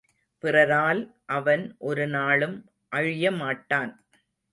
பிறரால் அவன் ஒரு நாளும் அழியமாட்டான்.